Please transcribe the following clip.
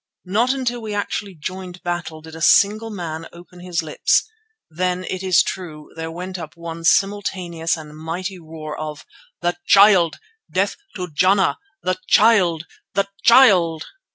Not until we actually joined battle did a single man open his lips. Then, it is true, there went up one simultaneous and mighty roar of: "The Child! Death to Jana! The Child! The Child!"